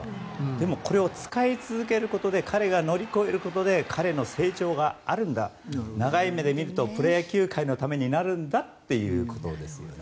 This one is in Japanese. でも、これを使い続けることで彼が乗り越えることで彼の成長があるんだ長い目で見るとプロ野球界のためになるんだということですよね。